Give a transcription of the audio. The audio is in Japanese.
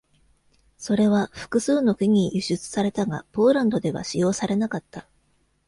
それは複数の国に輸出されたが、ポーランドでは使用されなかった。